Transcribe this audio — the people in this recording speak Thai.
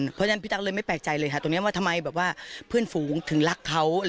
เพราะฉะนั้นพี่ตั๊กเลยไม่แปลกใจเลยค่ะตรงนี้ว่าทำไมแบบว่าเพื่อนฝูงถึงรักเขา